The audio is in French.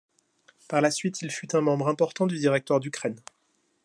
Par la suite il fut un membre important du Directoire d'Ukraine.